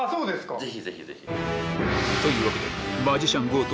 ぜひぜひぜひ。というわけでマジシャンＧＯと